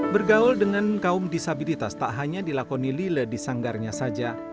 bergaul dengan kaum disabilitas tak hanya dilakoni lila di sanggarnya saja